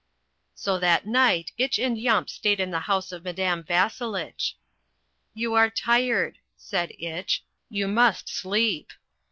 So that night Itch and Yump stayed in the house of Madame Vasselitch. "You are tired," said Itch. "You must sleep."